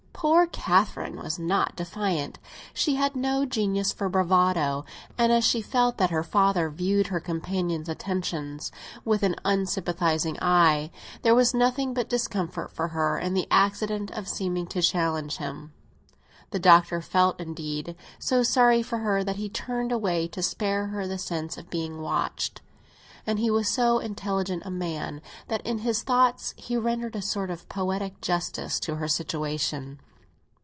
Poor Catherine was not defiant; she had no genius for bravado; and as she felt that her father viewed her companion's attentions with an unsympathising eye, there was nothing but discomfort for her in the accident of seeming to challenge him. The Doctor felt, indeed, so sorry for her that he turned away, to spare her the sense of being watched; and he was so intelligent a man that, in his thoughts, he rendered a sort of poetic justice to her situation.